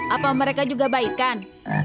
apa mereka juga baik kan